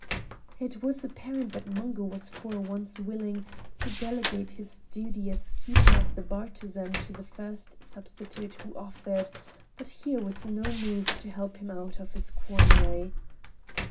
It was apparent that Mungo was for once willing to delegate his duty as keeper of the bartizan to the first substitute who offered, but here was no move to help him out of his quandary.